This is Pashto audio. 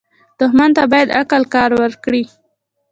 دښمن ته باید عقل کار وکړې